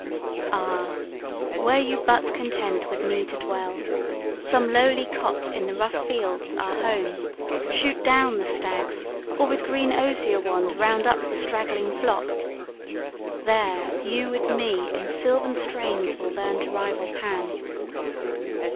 Ah! were you but content with me to dwell. Some lowly cot in the rough fields our home, Shoot down the stags, or with green osier wand Round up the straggling flock! There you with me In silvan strains will learn to rival Pan.